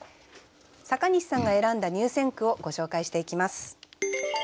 阪西さんが選んだ入選句をご紹介していきます。